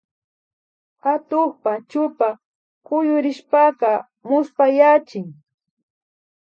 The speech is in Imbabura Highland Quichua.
Atukpa chupa kuyurishpaka muspayachin